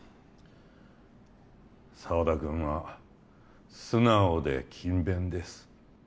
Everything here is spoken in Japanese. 沢田君は素直で勤勉です